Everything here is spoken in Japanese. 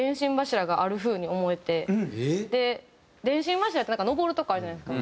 電信柱ってなんか登る所あるじゃないですか。